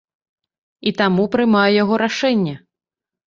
І таму прымаю яго рашэнне.